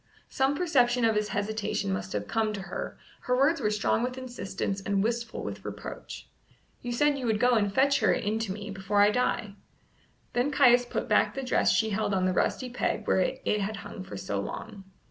Some perception of his hesitation must have come to her; her words were strong with insistence and wistful with reproach. "You said you would go and fetch her in to me before I die." Then Caius put back the dress she held on the rusty peg where it had hung for so long.